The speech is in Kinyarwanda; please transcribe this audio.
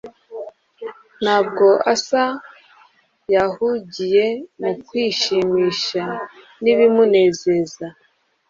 ntabwo Asa yahugiye mu kwishimisha nibimunezeza